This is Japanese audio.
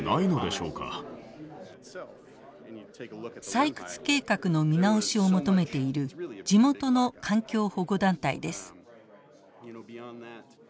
採掘計画の見直しを求めている地元の環境保護団体です。